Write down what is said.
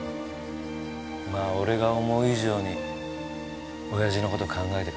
まあ俺が思う以上に親父の事考えてくれてた。